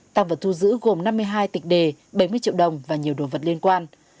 tăng vật thu giữ gồm năm mươi hai tịch đề bảy mươi triệu đồng và nhiều đồ vật liên quan